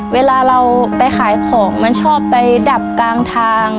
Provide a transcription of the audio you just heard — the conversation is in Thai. เวลาเราไปขายของมันชอบไปดับกลางทาง